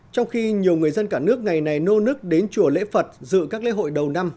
trong khi nhiều người dân cả nước ngày này nô nức đến chùa lễ phật dự các lễ hội đầu năm